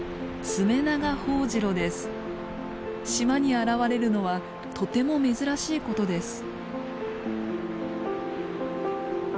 島に現れるのはとても珍しいことです。